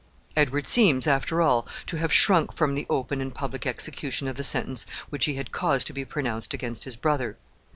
Edward seems, after all, to have shrunk from the open and public execution of the sentence which he had caused to be pronounced against his brother.